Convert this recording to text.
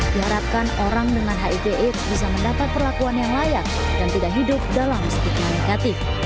diharapkan orang dengan hiv aids bisa mendapat perlakuan yang layak dan tidak hidup dalam stigma negatif